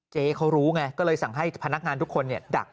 เจ๊เขารู้ไงก็เลยสั่งให้พนักงานทุกคนดัก